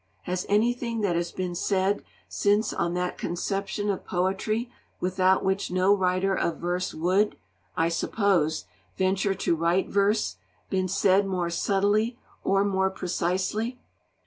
Has anything that has been said since on that conception of poetry without which no writer of verse would, I suppose, venture to write verse, been said more subtly or more precisely?